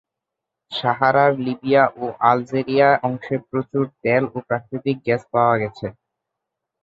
সাহারার Libya ও Algeria অংশে প্রচুর তেল ও প্রাকৃতিক গ্যাস পাওয়া গেছে।